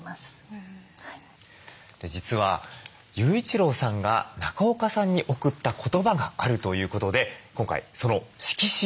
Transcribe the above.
実は雄一郎さんが中岡さんに贈った言葉があるということで今回その色紙をお持ち頂きました。